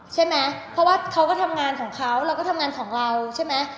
ใช่ไหมเพราะว่าเขาก็ทำงานของเขาเราก็ทำงานของเราใช่ไหม